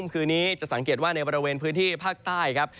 คืนนี้จะสังเกตว่าในบริเวณพื้นที่ภาคใต้ครับ